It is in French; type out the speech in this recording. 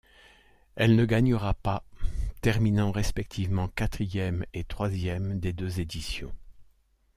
Elle ne gagnera pas, terminant respectivement quatrième et troisième des deux éditions.